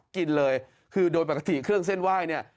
กินเลยคือโดยปกติเครื่องเส้นไหว้เนี่ย